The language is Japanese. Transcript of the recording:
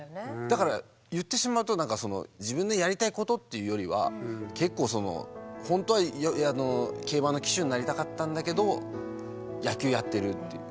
だから言ってしまうと自分のやりたいことっていうよりは結構その本当は競馬の騎手になりたかったんだけど野球やってるっていう。